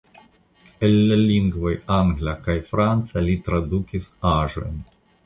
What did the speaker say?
El la lingvoj angla kaj franca li tradukis aĵojn.